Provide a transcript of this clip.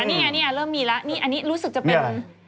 เออนี่เริ่มมีแล้วอันนี้รู้สึกจะเป็น